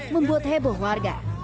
membuat heboh warga